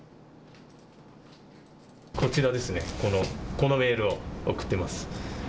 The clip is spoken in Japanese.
こちらですね、このメールを送っています。